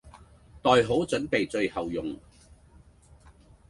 袋好準備最後用。